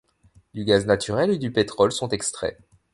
Du gaz naturel et du pétrole sont extraits.